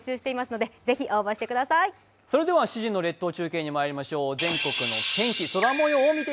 ７時の列島中継にまいりましょう。